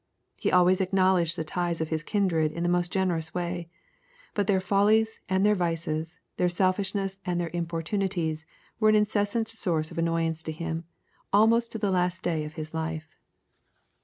He always acknowledged the ties of his kindred in the most generous way, but their follies and their vices, their selfishness and their importunities, were an incessant source of annoyance to him, almost to the last day of his life.